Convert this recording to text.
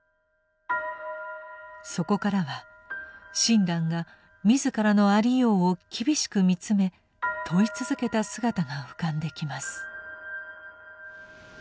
そこからは親鸞が自らのありようを厳しく見つめ問い続けた姿が浮かんできます。